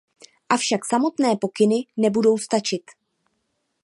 Avšak samotné pokyny nebudou stačit.